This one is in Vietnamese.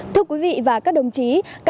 thưa quý vị và các đồng chí